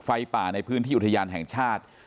ไฟป่าในพื้นที่อุทยานแห่งชาติ